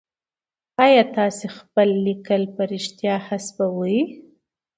آيا تاسي خپل ليکل په رښتيا حذفوئ ؟